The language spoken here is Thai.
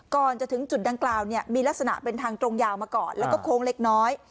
ก่อนจะถึงจุดดังกล่าวเนี่ยมีลักษณะเป็นทางตรงยาวมาก่อนแล้วก็โค้งเล็กน้อย